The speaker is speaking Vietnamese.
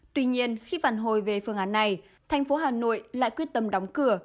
tuy nhiên khi phản hồi về phương án này thành phố hà nội lại quyết tâm đóng cửa